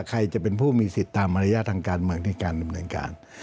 ใครจะเป็นผู้มีสิทธิ์ตามมารยาททางการเมืองในการดำเนินการ